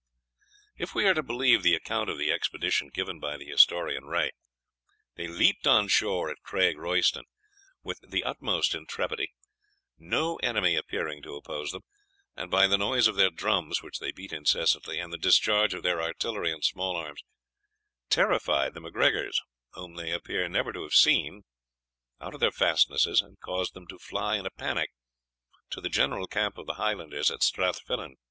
If we are to believe the account of the expedition given by the historian Rae, they leapt on shore at Craig Royston with the utmost intrepidity, no enemy appearing to oppose them, and by the noise of their drums, which they beat incessantly, and the discharge of their artillery and small arms, terrified the MacGregors, whom they appear never to have seen, out of their fastnesses, and caused them to fly in a panic to the general camp of the Highlanders at Strath Fillan.